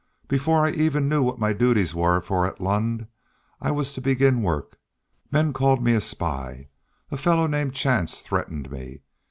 Before I even knew what my duties were for at Lund I was to begin work men called me a spy. A fellow named Chance threatened me.